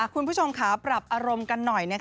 คุณผู้ชมค่ะปรับอารมณ์กันหน่อย